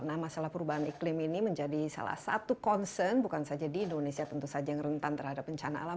nah masalah perubahan iklim ini menjadi salah satu concern bukan saja di indonesia tentu saja yang rentan terhadap bencana alam